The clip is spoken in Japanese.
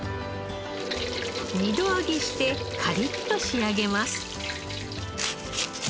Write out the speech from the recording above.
二度揚げしてカリッと仕上げます。